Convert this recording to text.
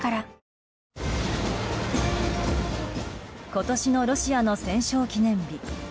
今年のロシアの戦勝記念日。